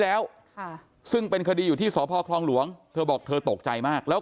แล้วค่ะซึ่งเป็นคดีอยู่ที่สพคลองหลวงเธอบอกเธอตกใจมากแล้ว